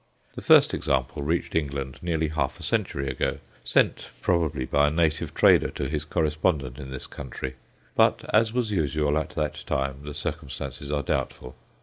The first example reached England nearly half a century ago, sent probably by a native trader to his correspondent in this country; but, as was usual at that time, the circumstances are doubtful.